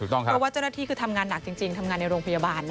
เพราะว่าเจ้าหน้าที่คือทำงานหนักจริงทำงานในโรงพยาบาลนะ